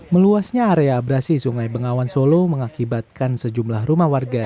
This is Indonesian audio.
meluasnya area abrasi sungai bengawan solo mengakibatkan sejumlah rumah warga